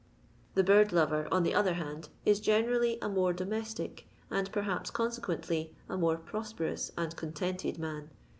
The bird lover, on the other hand, is gene rally a more domestic, and, perhaps consequently, a more prosperous and contented man.